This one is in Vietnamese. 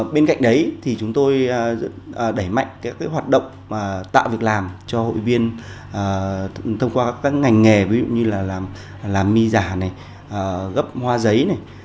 bên cạnh đấy thì chúng tôi đẩy mạnh các hoạt động tạo việc làm cho hội viên thông qua các ngành nghề như là làm mi giả gấp hoa giấy